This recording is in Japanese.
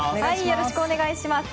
よろしくお願いします。